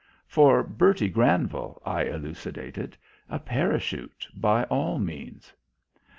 "For Bertie Granville," I elucidated. "A parachute, by all means."